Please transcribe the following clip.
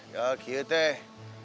ya kiyut teteh